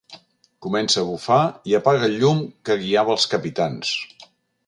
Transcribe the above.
Comença a bufar i apaga el llum que guiava els capitans.